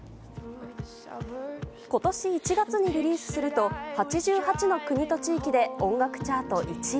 今年１月にリリースすると８８の国と地域で音楽チャート１位。